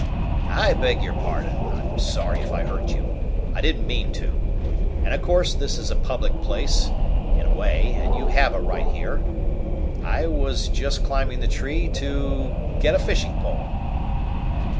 "I beg your pardon. I'm sorry if I hurt you. I didn't mean to. And of course this is a public place, in a way, and you have a right here. I was just climbing the tree to er to get a fishing pole!"